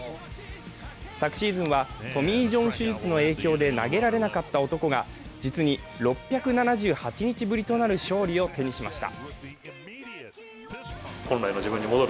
昨シーズンはトミー・ジョン手術の影響で投げられなかった男が実に６７８日ぶりとなる勝利を手にしました。